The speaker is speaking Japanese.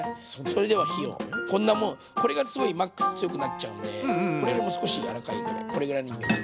それでは火をこんなもうこれがすごいマックス強くなっちゃうんでこれのもう少し柔らかいぐらいこれぐらいのイメージ。